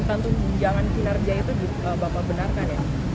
tapi memang tentang tunjangan kinarja itu bapak benarkan ya